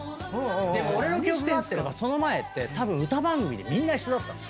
でも俺の記憶が合ってればその前ってたぶん歌番組でみんな一緒だった。